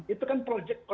itu kan projek pelang